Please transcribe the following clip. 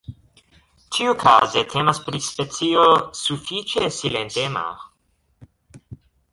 Ĉiukaze temas pri specio sufiĉe silentema.